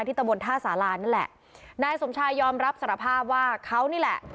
ตะบนท่าสารานั่นแหละนายสมชายยอมรับสารภาพว่าเขานี่แหละ